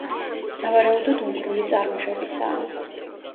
სავარაუდოდ უნგრული წარმოშობისაა.